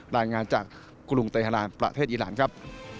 รายงานจากกรุงเตฮาลานประเทศอีรานครับ